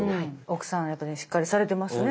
奥さんやっぱりしっかりされてますね。